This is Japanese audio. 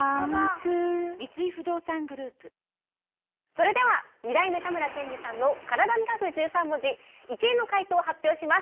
それでは二代目たむらけんじさんの体に書く１３文字１位の回答を発表します。